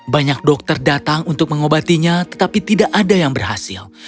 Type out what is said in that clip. banyak dokter datang untuk mengobatinya tetapi tidak ada yang berhasil